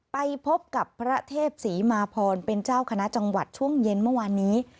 ไปพบกับพระเทพศรีมาพรเป็นเจ้าคณะจังหวัดช่วงเย็นเมื่อวานนี้